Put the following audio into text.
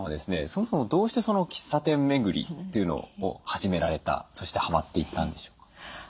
そもそもどうして喫茶店巡りというのを始められたそしてはまっていったんでしょうか？